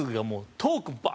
トーク、バー！